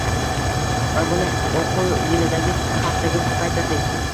Va buni o‘quv yilidagi haftaga ko‘paytirdik.